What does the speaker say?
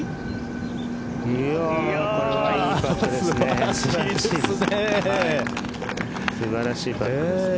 これはいいパットですね。